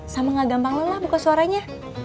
sama gak gampang lelah buka suaranya